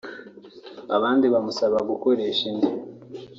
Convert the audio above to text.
abandi bamusaba gukoresha indi